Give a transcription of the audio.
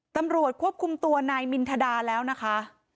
ตำรวจควบคุมตัวนายมินทดาแล้วนะคะ